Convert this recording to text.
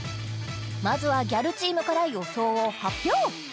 まずはギャルチームから予想を発表